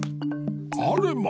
あれま。